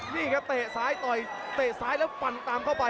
นี่ครับเตะซ้ายต่อยเตะซ้ายแล้วฟันตามเข้าไป